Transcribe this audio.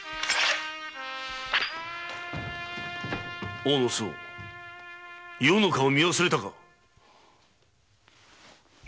大野周防余の顔を見忘れたか！